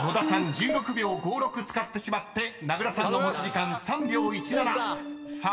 １６秒５６使ってしまって名倉さんの持ち時間３秒１７］頼みます！